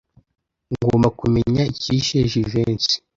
Ngomba kumenya icyishe Jivency.